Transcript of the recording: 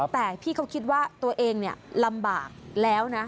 แต่พี่เขาคิดว่าตัวเองลำบากแล้วนะ